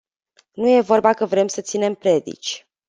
Nu e vorba că vrem să ținem predici.